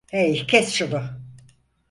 Hey, kes şunu!